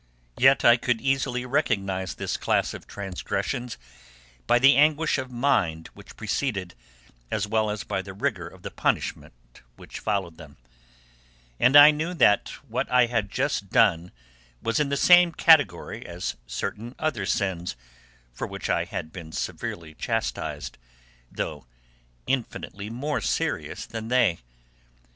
Yet I could easily recognise this class of transgressions by the anguish of mind which preceded, as well as by the rigour of the punishment which followed them; and I knew that what I had just done was in the same category as certain other sins for which I had been severely chastised, though infinitely more serious than they.